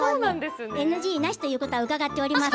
ＮＧなしということは伺っております。